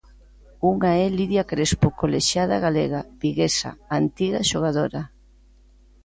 Unha é Lidia Crespo, colexiada galega, viguesa, antiga xogadora.